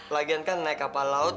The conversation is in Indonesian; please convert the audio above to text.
lagian kan naik kapal laut